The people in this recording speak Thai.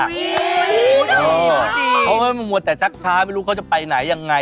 อี๊ยจริงจริงเขาไม่ห่วงแต่ชักช้าไม่รู้เขาจะไปไหนยังไง